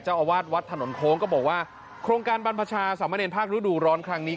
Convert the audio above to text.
อาวาสวัดถนนโค้งก็บอกว่าโครงการบรรพชาสามเนรภาคฤดูร้อนครั้งนี้